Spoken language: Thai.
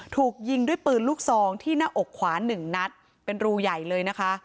ถูกยิงด้วยปืนลูกซองที่หน้าอกขวาหนึ่งนัดเป็นรูใหญ่เลยนะคะ